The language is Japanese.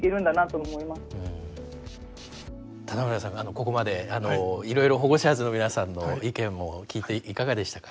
ここまでいろいろホゴシャーズの皆さんの意見も聞いていかがでしたか？